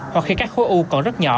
hoặc khi các khối u còn rất nhỏ